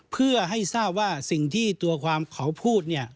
เพื่อให้ทราบว่าสิ่งที่ตัวความเขาพูดเนี่ย